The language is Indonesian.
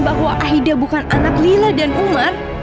bahwa aida bukan anak lila dan ular